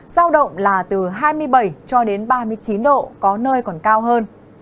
giao động là từ hai mươi bảy cho đến ba mươi chín độ có nơi còn cao hơn